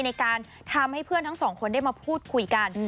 ในการทำให้เพื่อนทั้งสองคนได้มาพูดคุยกัน